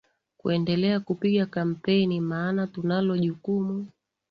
kuendelea kupiga kampeni maana tunalojukumu